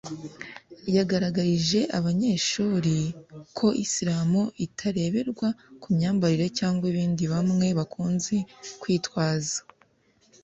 yagaragarije aba banyeshuri ko Islam itareberwa ku myambaro cyangwa ibindi bamwe bakunze kwitwaza